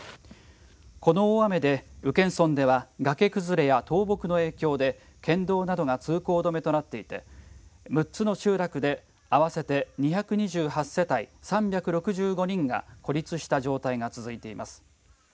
この大雨で宇検村では崖崩れや倒木の影響で県道などが通行止めとなっていて６つの集落で合わせて２２８世帯３６５人が孤立した状態が続いています。